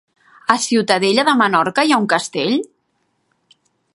A Ciutadella de Menorca hi ha un castell?